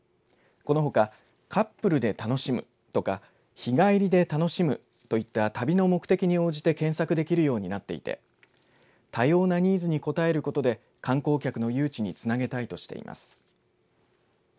このほか、カップルで楽しむとか日帰りで楽しむといった旅の目的に応じて検索できるようになっていて多様なニーズに応えることで観光客の誘致につなげたいとしています。